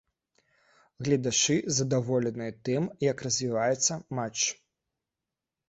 Гледачы задаволеныя тым, як развіваецца матч.